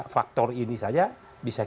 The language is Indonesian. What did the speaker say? dua faktor ini saja berarti